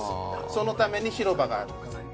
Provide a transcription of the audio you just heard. そのために広場がある。